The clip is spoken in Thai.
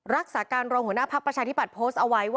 รักษาการรองหัวหน้าภักดิ์ประชาธิบัตย์โพสต์เอาไว้ว่า